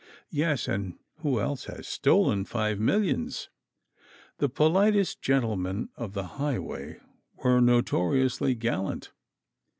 Yes, and who else has stolen five millions? The politest gentlemen of the highway were notoriously gallant.